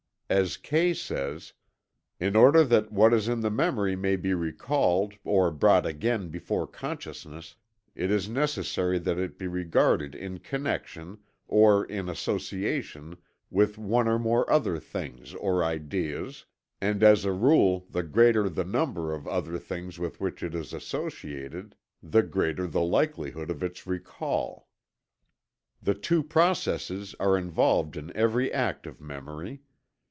As Kay says: "In order that what is in the memory may be recalled or brought again before consciousness, it is necessary that it be regarded in connection, or in association with one or more other things or ideas, and as a rule the greater the number of other things with which it is associated the greater the likelihood of its recall. The two processes are involved in every act of memory.